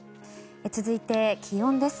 続いて気温です。